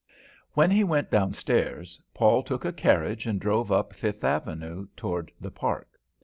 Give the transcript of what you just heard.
When he went downstairs, Paul took a carriage and drove up Fifth avenue toward the Park.